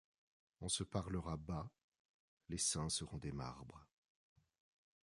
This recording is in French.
On se parlera bas ; les seins seront des marbres